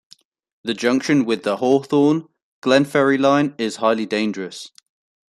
The junction with the Hawthorn - Glenferrie line is highly dangerous.